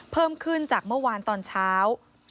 เพิ่มขึ้นจากเมื่อวานตอนเช้า